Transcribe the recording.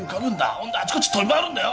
ほんであちこち飛び回るんだよ！